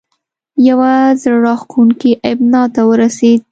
یوه زړه راښکونې ابنا ته ورسېد.